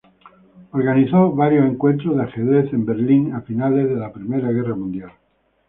Organizó varios encuentros de Ajedrez en Berlín a finales de la Primera Guerra Mundial.